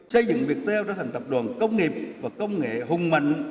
xây dựng việt heo trở thành tập đoàn công nghiệp và công nghệ hùng mạnh